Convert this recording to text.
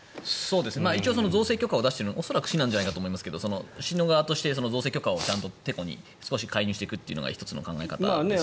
一応造成許可を出しているのは恐らく市なんじゃないかなと思いますが市側として、造成許可をてこに少し介入していくというのが１つの考え方ですね。